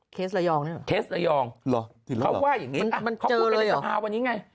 ระยองนี่เหรอเคสระยองเหรอเขาว่าอย่างนี้เขาพูดกันในสภาวันนี้ไง